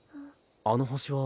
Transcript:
あの星は。